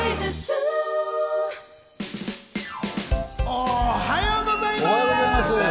おはようございます。